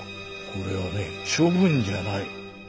これはね処分じゃない。